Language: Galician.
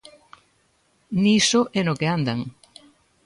Niso é no que andan.